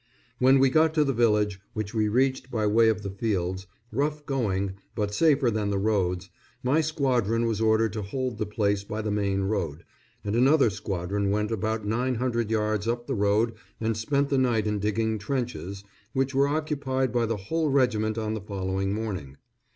When we got to the village, which we reached by way of the fields rough going, but safer than the roads my squadron was ordered to hold the place by the main road, and another squadron went about nine hundred yards up the road and spent the night in digging trenches, which were occupied by the whole regiment on the following morning.